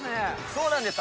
そうなんです。